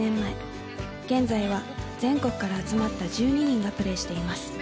現在は全国から集まった１２人がプレーしています。